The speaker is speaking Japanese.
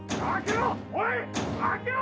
・開けろ！！